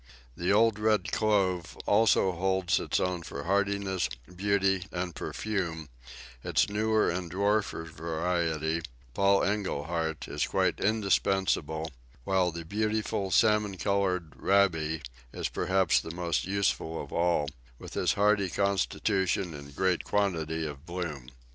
The old red Clove always holds its own for hardiness, beauty, and perfume; its newer and dwarfer variety, Paul Engleheart, is quite indispensable, while the beautiful salmon coloured Raby is perhaps the most useful of all, with its hardy constitution and great quantity of bloom.